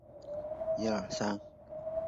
女孩罗一笑的父亲罗尔是一名深圳媒体人。